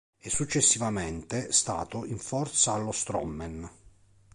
È successivamente stato in forza allo Strømmen.